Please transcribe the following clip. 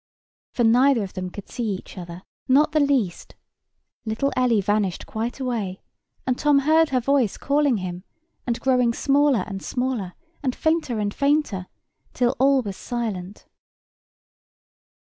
For neither of them could see each other—not the least. Little Ellie vanished quite away, and Tom heard her voice calling him, and growing smaller and smaller, and fainter and fainter, till all was silent.